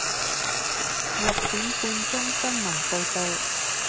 六點半鐘新聞報道